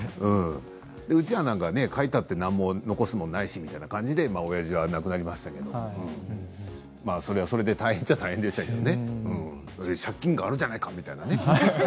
うちは書いても何も残すものもないしみたいな感じでおやじが亡くなりましたけれどそれはそれで大変といえば大変でしたけれども借金があるじゃないかみたいな。